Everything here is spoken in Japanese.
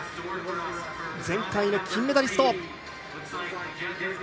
前回の金メダリスト。